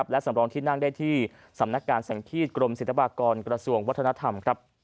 และสำรองที่นั่งได้ที่สำนักการสังฆีตกรมศิลปากรกระทรวงวัฒนธรรม